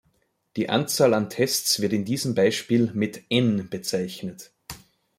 Die Anzahl an Tests wird in diesem Beispiel mit "n" bezeichnet.